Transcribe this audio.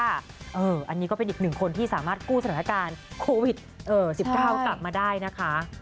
อันนี้ก็เป็นอีกหนึ่งคนที่สามารถกู้สถานการณ์โควิด๑๙กลับมาได้นะคะ